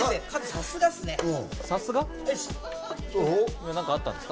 さすが？何かあったんですか？